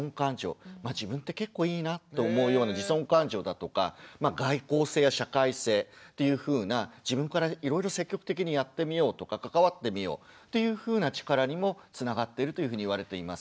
自分って結構いいなって思うような自尊感情だとか外向性や社会性っていうふうな自分からいろいろ積極的にやってみようとか関わってみようというふうな力にもつながってるというふうにいわれています。